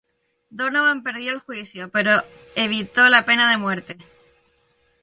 Donovan perdió el juicio, pero evitó la pena de muerte.